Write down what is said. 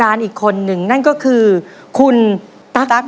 แล้ววันนี้ผมมีสิ่งหนึ่งนะครับเป็นตัวแทนกำลังใจจากผมเล็กน้อยครับ